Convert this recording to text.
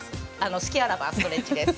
隙あらばストレッチです！